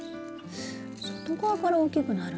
外側から大きくなるんだな。